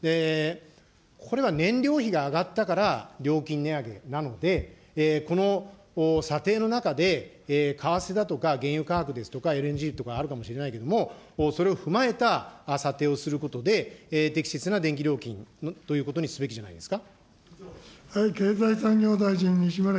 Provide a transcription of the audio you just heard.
これが燃料費が上がったから料金値上げなので、この査定の中で、為替だとか原油価格だとかＬＮＧとかあるかもしれないけれども、それを踏まえた査定をすることで、適切な電気料金ということにすべきじゃないですか。